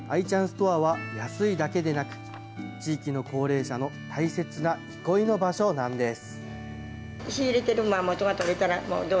ストアは安いだけでなく、地域の高齢者の大切な憩いの場所なんです。